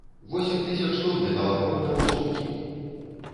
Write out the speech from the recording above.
Восем тысяч тон металакорда ў суткі!